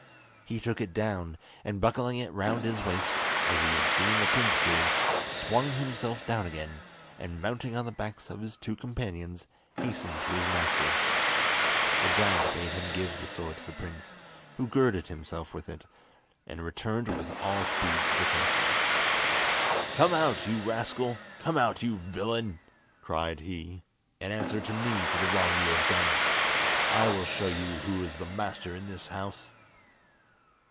He took it down, and buckling it round his waist, as he had seen the prince do, swung himself down again, and mounting on the backs of his two companions, hastened to his master. The giant bade him give the sword to the prince, who girded himself with it, and returned with all speed to the castle. "Come out, you rascal! come out, you villain!" cried he, "and answer to me for the wrong you have done. I will show you who is the master in this house!"